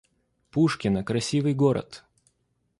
Пушкино — красивый город